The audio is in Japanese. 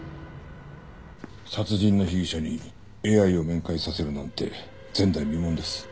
殺人の被疑者にＡＩを面会させるなんて前代未聞です。